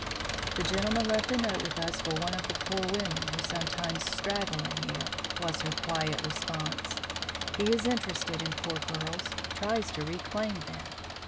"The gentleman left a note with us for one of the poor women who sometimes straggle in here," was her quiet response. "He is interested in poor girls; tries to reclaim them."